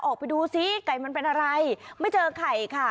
ออกไปดูซิไก่มันเป็นอะไรไม่เจอไข่ค่ะ